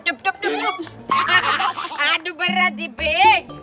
hahaha aduh berat iping